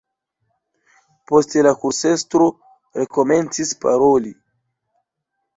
Poste la kursestro rekomencis paroli.